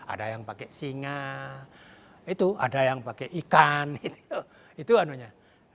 ada yang pakai singa itu ada yang pakai ikan itu anunya